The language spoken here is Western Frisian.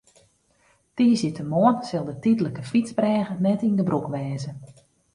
Tiisdeitemoarn sil de tydlike fytsbrêge net yn gebrûk wêze.